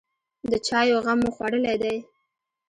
_د چايو غم مو خوړلی دی؟